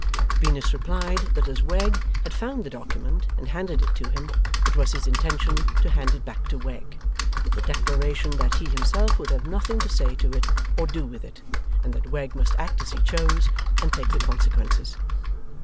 Venus replied that as Wegg had found the document and handed it to him, it was his intention to hand it back to Wegg, with the declaration that he himself would have nothing to say to it, or do with it, and that Wegg must act as he chose, and take the consequences.